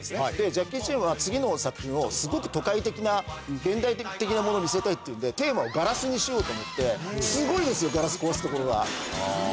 ジャッキー・チェンは次の作品をすごく都会的な、現代的なものに見せたいっていうんで、テーマをガラスにしようと思って、すごいすごいね。